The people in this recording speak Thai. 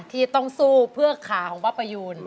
ที่ต้องสู้เพื่อขาของป้าประยูน